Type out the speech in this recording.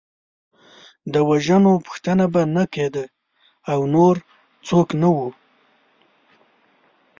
د وژنو پوښتنه به نه کېده او نور څوک نه وو.